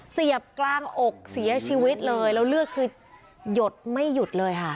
เสียบกลางอกเสียชีวิตเลยแล้วเลือดคือหยดไม่หยุดเลยค่ะ